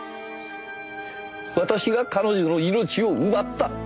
私が彼女の命を奪った。